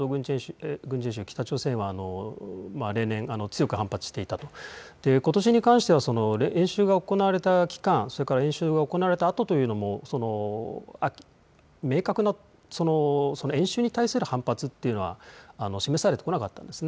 北朝鮮は例年、強く反発していたと、ことしに関しては演習が行われた期間、それから演習が行われたあとというのも演習に対する明確な反発というのは示されてこなかったんです。